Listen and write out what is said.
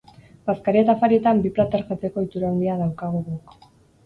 Bazkari eta afarietan, bi plater jateko ohitura handia daaukagu guk.